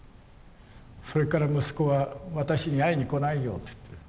それから息子は私に会いに来ないよと言って。